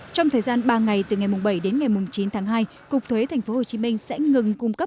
trong thời gian ba ngày từ ngày bảy đến ngày chín tháng hai cục thuế thành phố hồ chí minh sẽ ngừng cung cấp